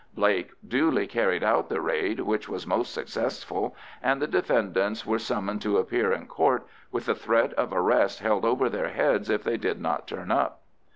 Blake duly carried out the raid, which was most successful, and the defendants were summoned to appear in Court, with the threat of arrest held over their heads if they did not turn up.